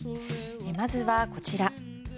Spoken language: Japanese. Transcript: まずはこちら。